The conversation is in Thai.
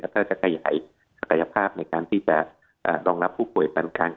แล้วก็จะขยายศักยภาพในการที่จะรองรับผู้ป่วยฟันคัง